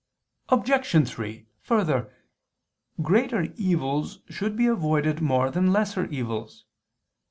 Obj. 3: Further, greater evils should be avoided more than lesser evils.